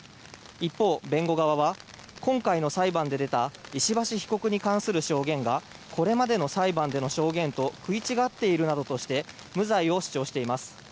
一方、弁護側は今回の裁判で出た石橋被告に関する証言がこれまでの裁判での証言と食い違っているなどとして無罪を主張しています。